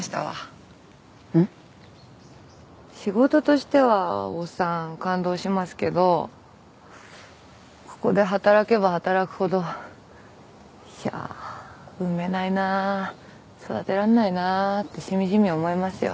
仕事としてはお産感動しますけどここで働けば働くほどいやあ産めないなあ育てられないなあってしみじみ思いますよ。